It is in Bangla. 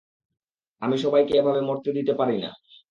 আমি সবাইকে এভাবে মরতে দিতে পারি না।